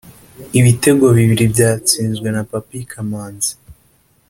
Ibitego bibiri byatsinzwe na Papy Kamanzi